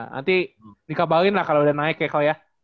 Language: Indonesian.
nanti dikabarin lah kalau udah naik ya ko ya